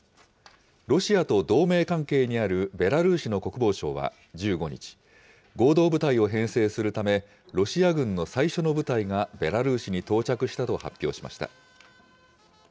ロシアと同盟関係にあるベラルーシの国防省は１５日、合同部隊を編成するため、ロシア軍の最初の部隊がベラルーシに到着したと発表しました。